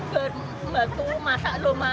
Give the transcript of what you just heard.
bisa bantu masak lho mas